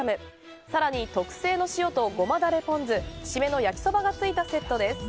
更に、特製の塩とごまだれポン酢締めの焼きそばがついたセットです。